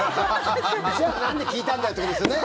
じゃあなんで聞いたんだよってことですよね。